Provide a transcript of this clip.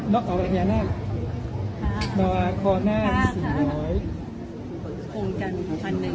โปรดติดตามโปรดติดตาม